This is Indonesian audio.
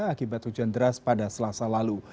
akibat hujan deras pada selasa lalu